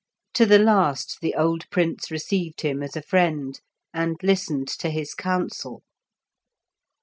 To the last, the old Prince received him as a friend, and listened to his counsel.